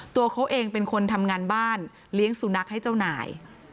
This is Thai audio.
ตัวเขาเองเป็นคนทำงานบ้านเลี้ยงสุนัขให้เจ้านาย